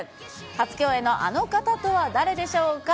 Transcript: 初共演のあの方とは誰でしょうか。